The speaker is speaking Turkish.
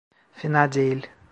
Fena değil.